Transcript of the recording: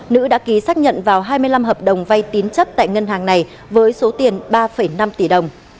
nữ đã ký xác nhận vào hai mươi năm hợp đồng vay tín chấp tại ngân hàng này với số tiền ba năm tỷ đồng